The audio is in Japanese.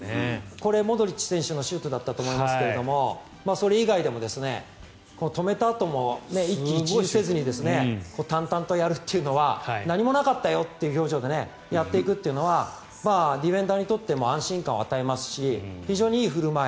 これ、モドリッチ選手のシュートだったと思いますがそれ以外でも止めたあとも一喜一憂せずに淡々とやるっていうのは何もなかったよという表情でやっていくのはディフェンダーにとっても安心感を与えますし非常にいい振る舞い。